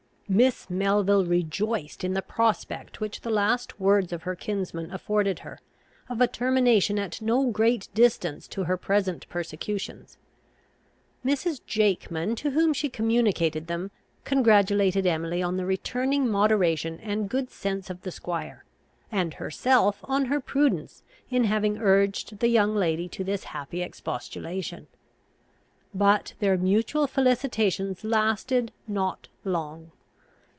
Miss Melville rejoiced in the prospect, which the last words of her kinsman afforded her, of a termination at no great distance to her present persecutions. Mrs. Jakeman, to whom she communicated them, congratulated Emily on the returning moderation and good sense of the squire, and herself on her prudence in having urged the young lady to this happy expostulation. But their mutual felicitations lasted not long.